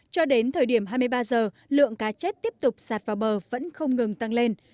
cho đến thời điểm hai mươi ba giờ lượng cá chết tiếp tục sạt vào bờ vẫn không ngừng tăng lên